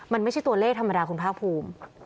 มันไม่ใช่ตัวเลขธรรมดาคุณภาคภูมิ